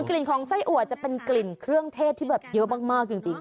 กลิ่นของไส้อัวจะเป็นกลิ่นเครื่องเทศที่แบบเยอะมากจริง